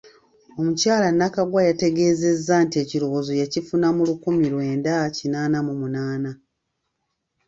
Omukyala Nakaggwa yategeezezza nti ekirowoozo yakifuna mu lukumi lwenda kinaana mu munaana.